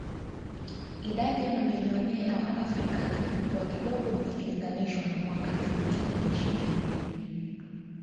Idadi ya mabilionea wa Afrika ilipungua kidogo ikilinganishwa na mwaka elfu mbili na ishirini